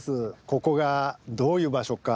ここがどういう場所か